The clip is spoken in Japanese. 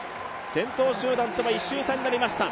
先頭集団とは１周差になりました。